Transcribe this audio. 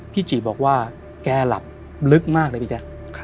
จิบอกว่าแกหลับลึกมากเลยพี่แจ๊ค